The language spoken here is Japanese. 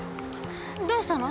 どうしたの？